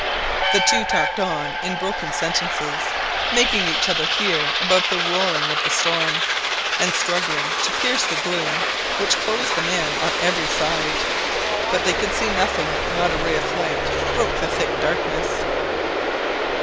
The two talked on in broken sentences, making each other hear above the roaring of the storm, and struggling to pierce the gloom which closed them in on every side; but they could see nothing, not a ray of light broke the thick darkness.